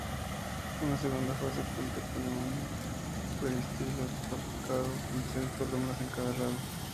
Una segunda fase cuenta con un peristilo porticado, con seis columnas en cada lado.